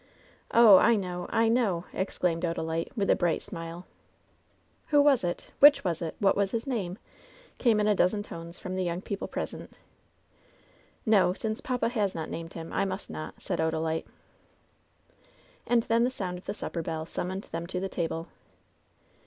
"Oh, I know! I know!" exclaimed Odalite, with a bright smile. "Who was it ? Which was it ? What was his name ?" came in a dozen tones from the young people present. • "No ; since papa has not named him, I must not," said Odalite. And then the sound of the supper bell summoned them to the table.